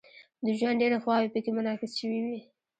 د ژوند ډیرې خواوې پکې منعکس شوې وي.